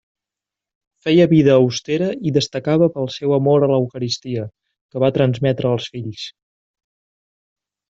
Feia vida austera i destacava pel seu amor a l'Eucaristia, que va transmetre als fills.